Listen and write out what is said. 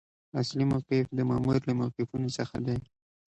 اصلي موقف د مامور له موقفونو څخه دی.